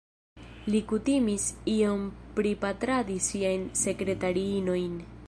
Li kutimis iom pripatradi siajn sekretariinojn.